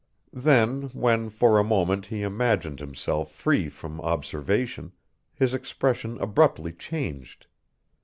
Then when, for a moment, he imagined himself free from observation, his expression abruptly changed.